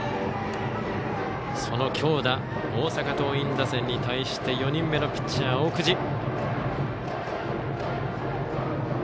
その強打、大阪桐蔭打線に対して４人目のピッチャー、奥地。